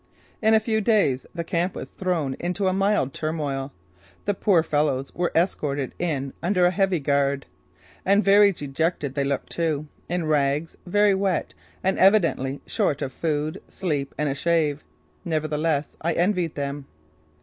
In a few days the camp was thrown into a mild turmoil. The poor fellows were escorted in under a heavy guard. And very dejected they looked too in rags, very wet and evidently short of food, sleep and a shave. Nevertheless, I envied them.